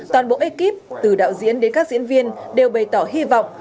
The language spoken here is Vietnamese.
toàn bộ ekip từ đạo diễn đến các diễn viên đều bày tỏ hy vọng